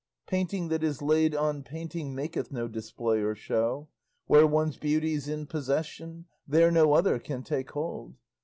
Painting that is laid on painting Maketh no display or show; Where one beauty's in possession There no other can take hold.